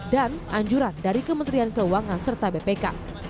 dan anjuran dari kementerian keuangan serta bpk